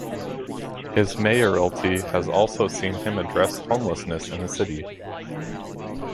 His mayoralty has also seen him address homelessness in the city.